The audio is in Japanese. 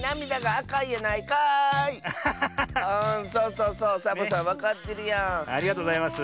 ありがとうございます。